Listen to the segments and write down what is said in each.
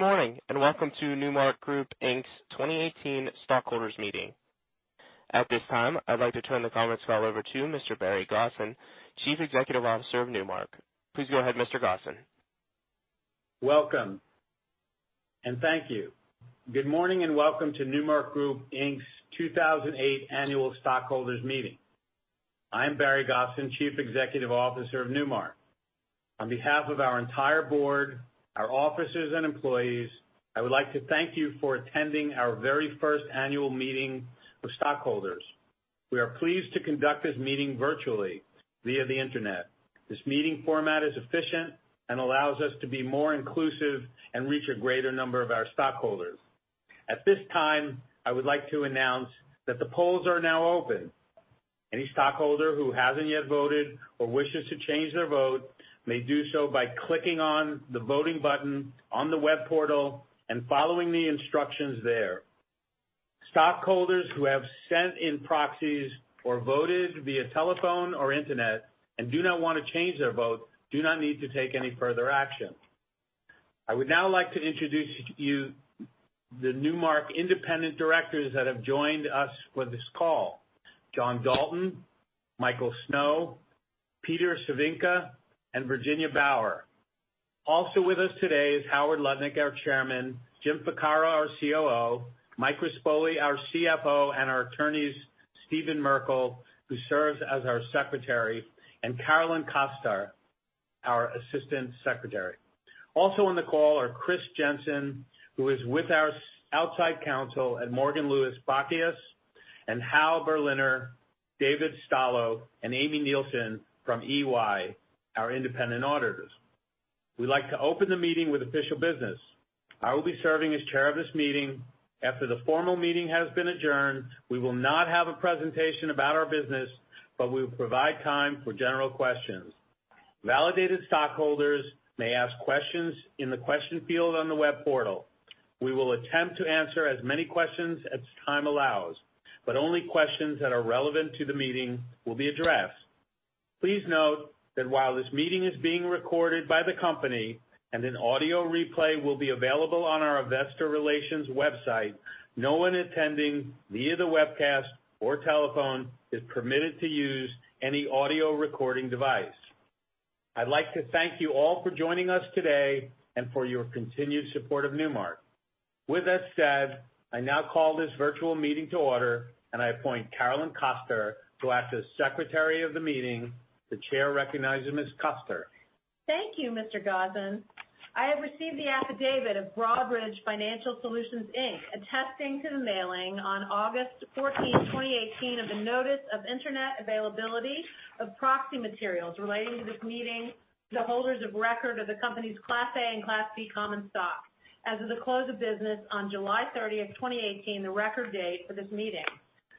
Good morning, and welcome to Newmark Group Inc.'s 2018 Stockholders Meeting. At this time, I'd like to turn the conference call over to Mr. Barry Gosin, Chief Executive Officer of Newmark. Please go ahead, Mr. Gosin. Welcome, and thank you. Good morning, and welcome to Newmark Group Inc.'s 2018 Annual Stockholders Meeting. I'm Barry Gosin, Chief Executive Officer of Newmark. On behalf of our entire board, our officers, and employees, I would like to thank you for attending our very first annual meeting with stockholders. We are pleased to conduct this meeting virtually via the internet. This meeting format is efficient and allows us to be more inclusive and reach a greater number of our stockholders. At this time, I would like to announce that the polls are now open. Any stockholder who hasn't yet voted or wishes to change their vote may do so by clicking on the voting button on the web portal and following the instructions there. Stockholders who have sent in proxies or voted via telephone or internet and do not want to change their vote do not need to take any further action. I would now like to introduce to you the Newmark independent directors that have joined us for this call, John Dalton, Michael Snow, Peter Cervinka, and Virginia Bauer. Also with us today is Howard Lutnick, our chairman, Jim Faccaro, our COO, Mike Rispoli, our CFO, and our attorneys, Stephen Merkel, who serves as our Secretary, and Caroline Koster, our Assistant Secretary. Also on the call are Chris Jensen, who is with our outside counsel at Morgan, Lewis & Bockius LLP, and Hal Berliner, David Stang, and Amy Nielsen from EY, our independent auditors. We'd like to open the meeting with official business. I will be serving as chair of this meeting. After the formal meeting has been adjourned, we will not have a presentation about our business, but we will provide time for general questions. Validated stockholders may ask questions in the question field on the web portal. We will attempt to answer as many questions as time allows, but only questions that are relevant to the meeting will be addressed. Please note that while this meeting is being recorded by the company and an audio replay will be available on our investor relations website, no one attending via the webcast or telephone is permitted to use any audio recording device. I'd like to thank you all for joining us today and for your continued support of Newmark. With that said, I now call this virtual meeting to order, and I appoint Caroline Koster to act as Secretary of the meeting. The chair recognizes Ms. Koster. Thank you, Mr. Gosin. I have received the affidavit of Broadridge Financial Solutions Inc attesting to the mailing on August 14th, 2018, of a notice of internet availability of proxy materials relating to this meeting to the holders of record of the company's Class A and Class C common stock as of the close of business on July 30th, 2018, the record date for this meeting.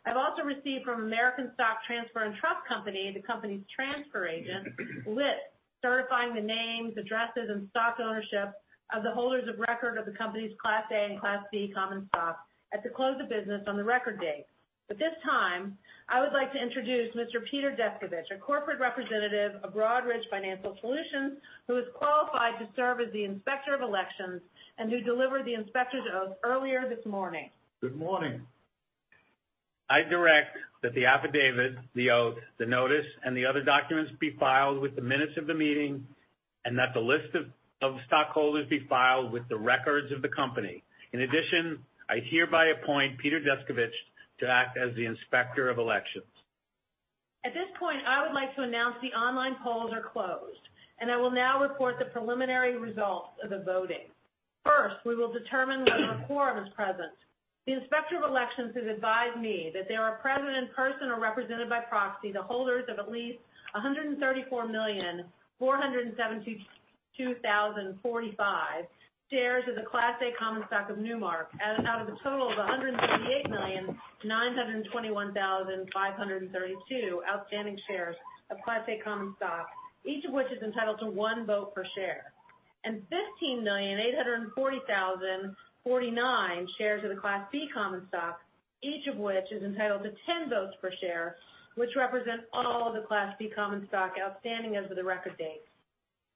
I have also received from American Stock Transfer & Trust Company, the company's transfer agent, lists certifying the names, addresses, and stock ownership of the holders of record of the company's Class A and Class C common stock at the close of business on the record date. At this time, I would like to introduce Mr. Peter Deskovich, a corporate representative of Broadridge Financial Solutions, who is qualified to serve as the Inspector of Elections and who delivered the inspector's oath earlier this morning. Good morning. I direct that the affidavit, the oath, the notice, and the other documents be filed with the minutes of the meeting and that the list of stockholders be filed with the records of the company. In addition, I hereby appoint Peter Deskovich to act as the Inspector of Elections. At this point, I would like to announce the online polls are closed, and I will now report the preliminary results of the voting. First, we will determine whether a quorum is present. The Inspector of Elections has advised me that there are present in person or represented by proxy the holders of at least 134,472,045 shares of the Class A common stock of Newmark out of a total of 188,921,532 outstanding shares of Class A common stock, each of which is entitled to one vote per share, and 15,840,049 shares of the Class B common stock, each of which is entitled to 10 votes per share, which represents all the Class B common stock outstanding as of the record date.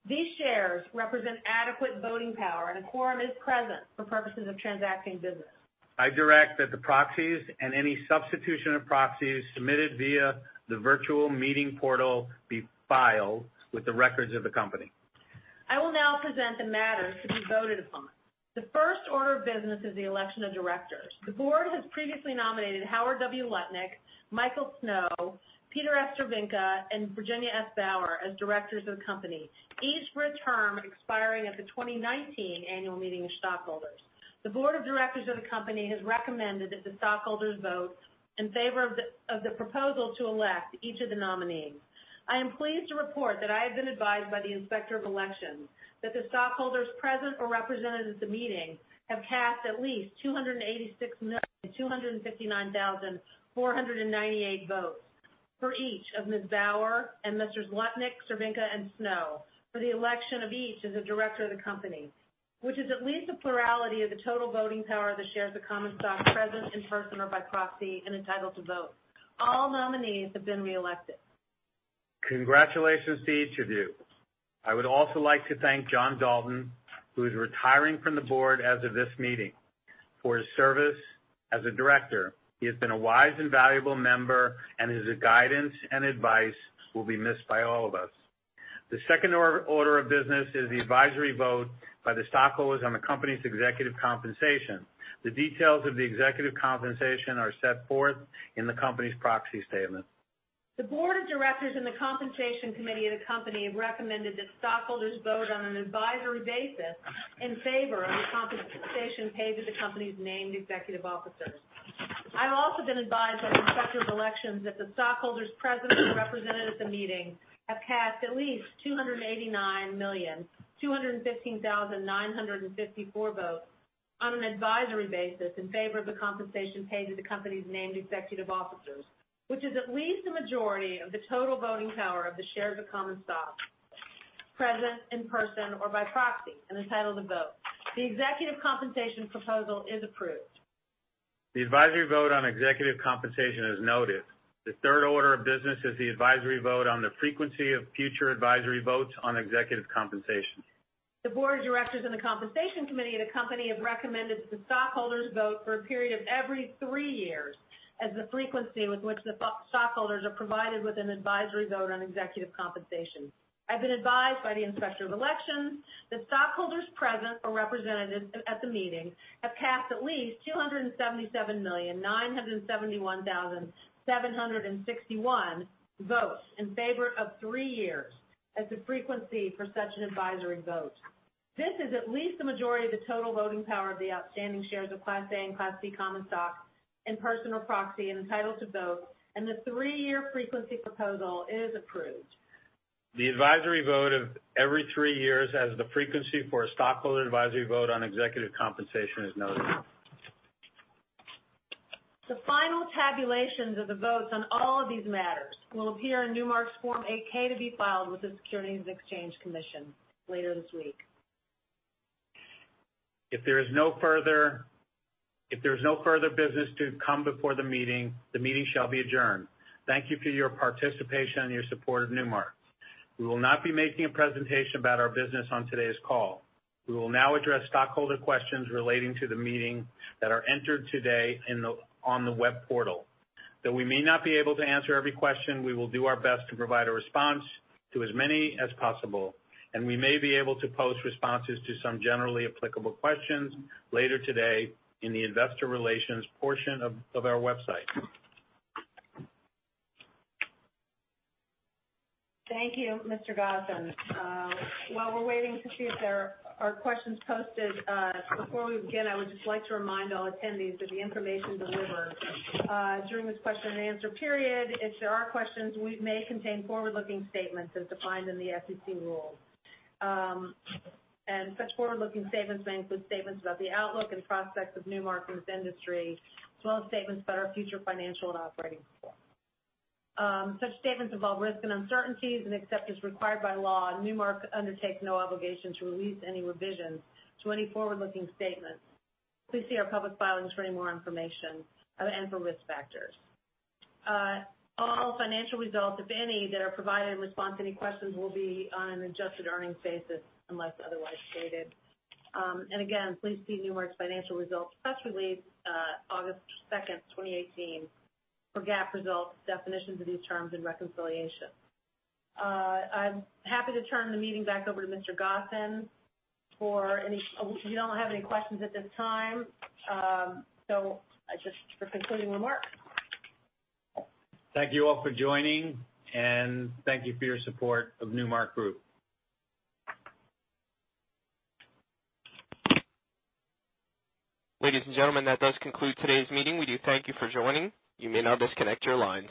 These shares represent adequate voting power and a quorum is present for purposes of transacting business. I direct that the proxies and any substitution of proxies submitted via the virtual meeting portal be filed with the records of the company. I will now present the matters to be voted upon. The first order of business is the election of directors. The board has previously nominated Howard W. Lutnick, Michael Snow, Peter F. Cervinka, and Virginia S. Bauer as directors of the company, each for a term expiring at the 2019 annual meeting of stockholders. The board of directors of the company has recommended that the stockholders vote in favor of the proposal to elect each of the nominees. I am pleased to report that I have been advised by the Inspector of Elections that the stockholders present or represented at the meeting have cast at least 286,259,498 votes for each of Ms. Bauer and Messrs. Lutnick, Cervinka, and Snow for the election of each as a director of the company, which is at least a plurality of the total voting power of the shares of common stock present in person or by proxy and entitled to vote. All nominees have been reelected. Congratulations to each of you. I would also like to thank John Dalton, who is retiring from the board as of this meeting, for his service as a Director. He has been a wise and valuable member, and his guidance and advice will be missed by all of us. The second order of business is the advisory vote by the stockholders on the company's executive compensation. The details of the executive compensation are set forth in the company's proxy statement. The Board of Directors and the Compensation Committee of the company have recommended that stockholders vote on an advisory basis in favor of the compensation paid to the company's named executive officers. I've also been advised by the Inspector of Elections that the stockholders present or represented at the meeting have cast at least 289,215,954 votes on an advisory basis in favor of the compensation paid to the company's named executive officers, which is at least a majority of the total voting power of the shares of common stock present in person or by proxy entitled to vote. The executive compensation proposal is approved. The advisory vote on executive compensation is noted. The third order of business is the advisory vote on the frequency of future advisory votes on executive compensation. The Board of Directors and the Compensation Committee of the company have recommended that the stockholders vote for a period of every three years as the frequency with which the stockholders are provided with an advisory vote on executive compensation. I've been advised by the Inspector of Elections that stockholders present or represented at the meeting have cast at least 277,971,761 votes in favor of three years as the frequency for such an advisory vote. This is at least the majority of the total voting power of the outstanding shares of Class A and Class C common stock in person or proxy entitled to vote, and the three-year frequency proposal is approved. The advisory vote of every three years as the frequency for a stockholder advisory vote on executive compensation is noted. The final tabulations of the votes on all of these matters will appear in Newmark's Form 8-K to be filed with the Securities and Exchange Commission later this week. If there is no further business to come before the meeting, the meeting shall be adjourned. Thank you for your participation and your support of Newmark. We will not be making a presentation about our business on today's call. We will now address stockholder questions relating to the meeting that are entered today on the web portal. Though we may not be able to answer every question, we will do our best to provide a response to as many as possible, and we may be able to post responses to some generally applicable questions later today in the investor relations portion of our website. Thank you, Mr. Gosin. While we're waiting to see if there are questions posted, before we begin, I would just like to remind all attendees that the information delivered during this question and answer period, if there are questions, may contain forward-looking statements as defined in the SEC rule. Such forward-looking statements may include statements about the outlook and prospects of Newmark's industry, as well as statements about our future financial and operating support. Such statements involve risks and uncertainties, and except as required by law, Newmark undertakes no obligation to release any revisions to any forward-looking statements. Please see our public filings for any more information and for risk factors. All financial results, if any, that are provided in response to any questions will be on an adjusted earnings basis unless otherwise stated. Again, please see Newmark's financial results press release, August 2, 2018, for GAAP results, definitions of these terms and reconciliation. I'm happy to turn the meeting back over to Mr. Gosin. We don't have any questions at this time. Just for concluding remarks. Thank you all for joining, and thank you for your support of Newmark Group. Ladies and gentlemen, that does conclude today's meeting. We do thank you for joining. You may now disconnect your lines.